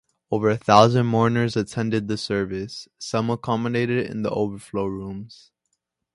Over a thousand mourners attended the service, some accommodated in overflow rooms.